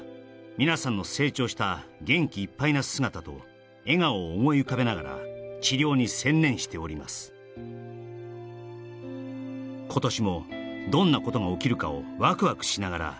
「みなさんの成長した元気いっぱいな姿と」「笑顔を思い浮かべながら」「治療に専念しております」「今年もどんなことが起きるかをワクワクしながら」